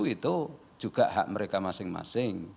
itu juga hak mereka masing masing